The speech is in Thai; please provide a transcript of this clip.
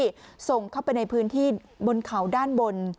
ส่งเข้าไปในพื้นที่บนเขาด้านบน